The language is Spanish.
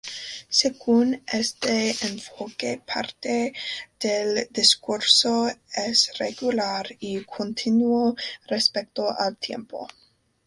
Según este enfoque, parte del discurso es regular y continuo respecto al tiempo.